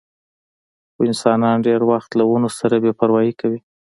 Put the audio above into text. خو انسانان ډېر وخت له ونو سره بې پروايي کوي.